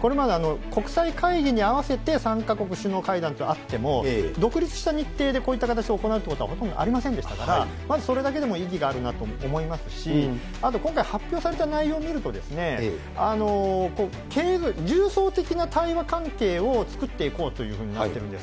これまで国際会議に合わせて３か国首脳会談ってあっても、独立した日程でこういった形で行うということはほとんどありませんでしたから、まずそれだけでも意義があるなと思いますし、あと、今回、発表された内容を見ると、重層的な対話関係を作っていこうというふうになってるんです。